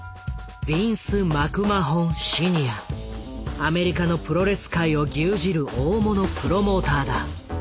アメリカのプロレス界を牛耳る大物プロモーターだ。